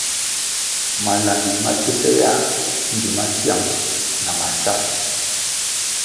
Malandi ma kiese yãh mbpi masiang na masá.